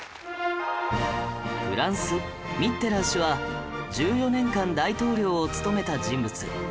フランスミッテラン氏は１４年間大統領を務めた人物